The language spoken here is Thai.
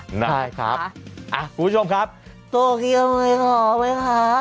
ใช่ครับอ่ะคุณผู้ชมครับโตเกียร์ไม่ขอไว้ค่ะ